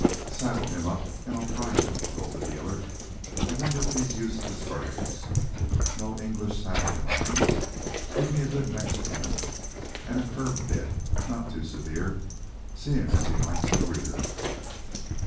"Saddle him up, and I'll try him," he told the dealer. "I wonder if he's used to spurs. No English saddle, mind. Give me a good Mexican and a curb bit not too severe, seeing as he likes to rear."